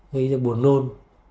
gây ra buồn nôn